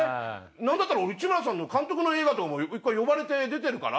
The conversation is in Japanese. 何だったら俺内村さんの監督の映画とかも１回呼ばれて出てるから。